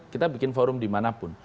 kita bikin forum dimanapun